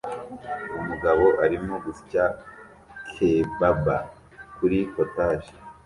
Umugabo arimo gusya kebab kuri POTAGE